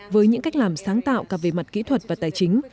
với những cách làm sáng tạo cả về mặt kỹ thuật và tài chính